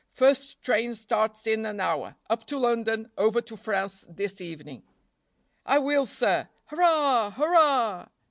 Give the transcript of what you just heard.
First train starts in an hour. Up to London, over to France this evening." "I will, sir. Hurrah! hurrah!"